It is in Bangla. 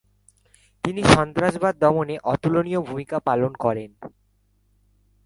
তিনি সন্ত্রাসবাদ দমনে অতুলনীয় ভূমিকা পালন করেন।